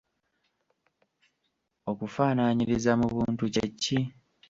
Okufaanaanyiriza mu buntu kye ki?